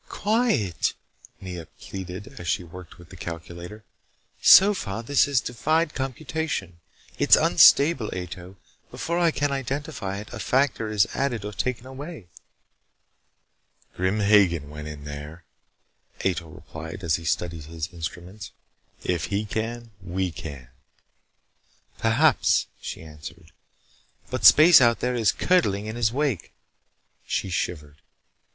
"Quiet," Nea pleaded as she worked with the calculator. "So far this has defied computation. It's unstable, Ato. Before I can identify it, a factor is added or taken away." "Grim Hagen went in there," Ato replied as he studied his instruments. "If he can, we can." "Perhaps," she answered. "But space out there is curdling in his wake." She shivered.